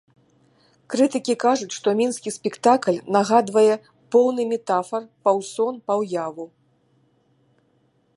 Крытыкі кажуць, што мінскі спектакль нагадвае поўны метафар паўсон-паўяву.